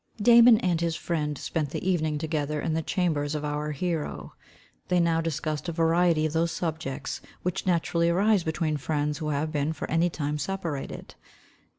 _ Damon and his friend spent the evening together in the chambers of our hero. They now discussed a variety of those subjects, which naturally arise between friends who have been for any time separated.